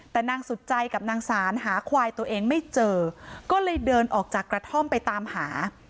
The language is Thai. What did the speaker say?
แต่นางสุดใจกับนางสานหาควายตัวเองไม่เจอก็เลยเดินออกจากกระท่อมไปตามหา